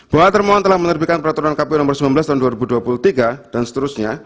bahwa termohon telah menerbitkan peraturan kpu nomor sembilan belas tahun dua ribu dua puluh tiga dan seterusnya